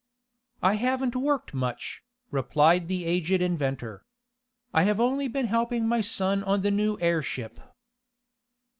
"I haven't worked much," replied the aged inventor. "I have only been helping my son on a new airship."